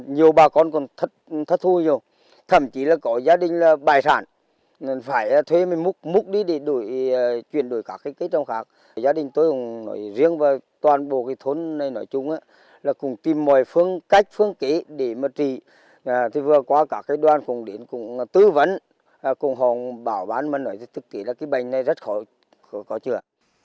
vừa qua các đoàn cùng tư vấn cùng hồ bảo bán mất nổi thức kỷ là cái bệnh này rất khó chữa